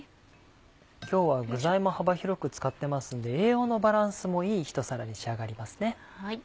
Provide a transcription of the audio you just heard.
今日は具材も幅広く使ってますので栄養のバランスもいい一皿に仕上がりますね。